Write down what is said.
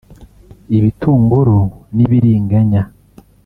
ibitunguru n’ibiringanya